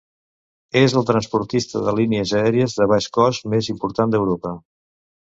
És el transportista de línies aèries de baix cost més important d'Europa.